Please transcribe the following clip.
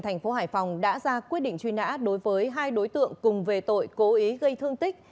thành phố hải phòng đã ra quyết định truy nã đối với hai đối tượng cùng về tội cố ý gây thương tích